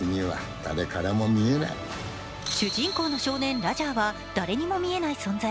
主人公の少年・ラジャーは誰にも見えない存在。